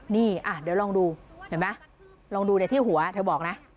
นี่เดี๋ยวลองดูเห็นไหมลองดูที่หัวเธอบอกนะ